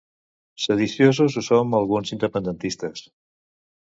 Sediciosos ho som alguns independentistes.